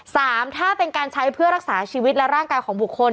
สามถ้าเป็นการใช้เพื่อรักษาชีวิตและร่างกายของบุคคล